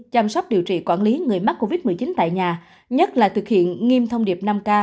chăm sóc điều trị quản lý người mắc covid một mươi chín tại nhà nhất là thực hiện nghiêm thông điệp năm k